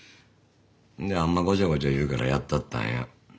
であんまごちゃごちゃ言うからやったったんや。